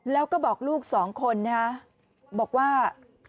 แล้วก็บอกลูก๒คนนะบอกว่า